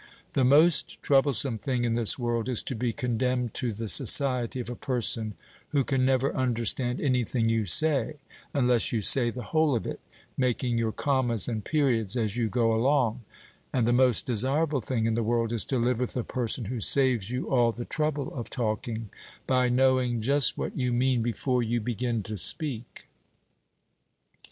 The most troublesome thing in this world is to be condemned to the society of a person who can never understand any thing you say unless you say the whole of it, making your commas and periods as you go along; and the most desirable thing in the world is to live with a person who saves you all the trouble of talking, by knowing just what you mean before you begin to speak.